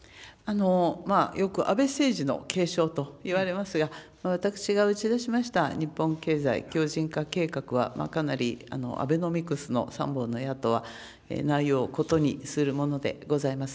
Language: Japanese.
よく安倍政治の継承といわれますが、私が打ち出しました日本経済強じん化計画は、かなりアベノミクスの三本の矢とは内容、異にするものでございます。